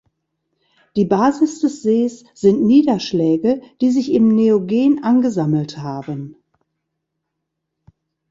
Die Basis des Sees sind Niederschläge, die sich im Neogen angesammelt haben.